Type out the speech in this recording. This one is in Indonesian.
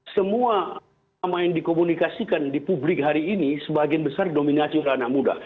semua sama yang dikomunikasikan di publik hari ini sebagian besar dominasi oleh anak muda